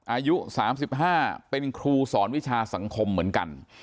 อายุ๓๕เป็นครูสอนวิชาสังคมเหมือนกัน